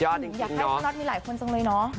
อยากน่าจะมีพระนอทมีหลายคนจังเลยเนอะ